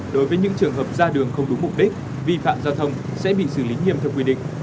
đối với những trường hợp ra đường không đúng mục đích vi phạm giao thông sẽ bị xử lý nghiêm theo quy định